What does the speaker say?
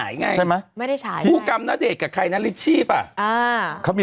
ย้อนกลับมาข่าวเนาะ